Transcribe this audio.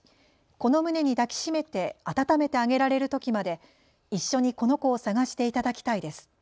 この胸に抱きしめてあたためてあげられるときまで一緒にこの子を探していただきたいです。